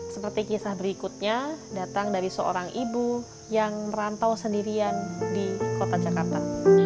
seperti kisah berikutnya datang dari seorang ibu yang merantau sendirian di kota jakarta